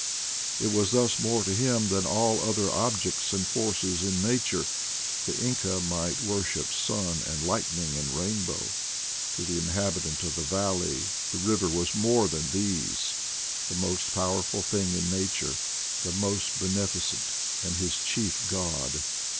It was thus more to him than all other objects and forces in nature; the Inca might worship sun and lightning and rainbow; to the inhabitant of the valley the river was more than these, the most powerful thing in nature, the most beneficent, and his chief god.